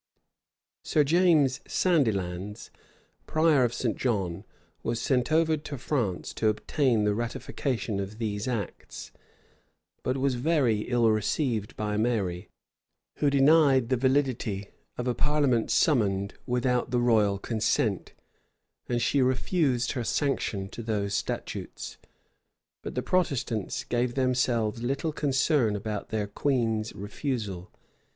Sir James Sandilands, prior of St. John, was sent over to France to obtain the ratification of these acts; but was very ill received by Mary, who denied the validity of a parliament summoned without the royal consent; and she refused her sanction to those statutes. But the Protestants gave themselves little concern about their queen's refusal.